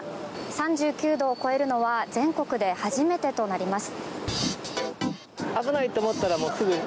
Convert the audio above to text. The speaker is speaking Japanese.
３９度を超えるのは全国で初めてとなります。